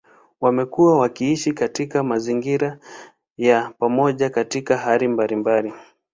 Wamekuwa wakiishi katika mazingira ya pamoja katika hali mbalimbali.